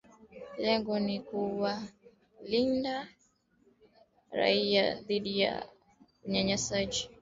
Lengo ni kuwalinda raia dhidi ya unyanyasaji kutoka pande zote za uhasimu katika mzozo